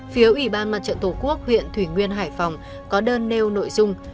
phía ủy ban mặt trận tổ quốc huyện thủy nguyên hải phòng có đơn nêu nội dung